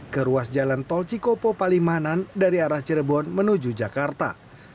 ke ruas jalan tol cikopo palimanan dari arah cirebon menuju jakarta